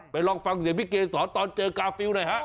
ไปลองฟังเสียงพี่เกสสอนตอนเจอกาฟิลนะฮะ